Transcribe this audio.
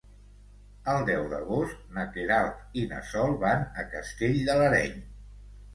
El deu d'agost na Queralt i na Sol van a Castell de l'Areny.